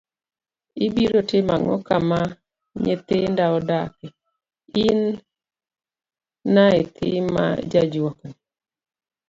Ibiro timo ang'o kama nyithinda odake, in naythi ma jajuok ni?